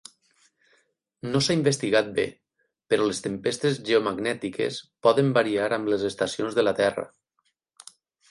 No s'ha investigat bé, però les tempestes geomagnètiques poden variar amb les estacions de la Terra.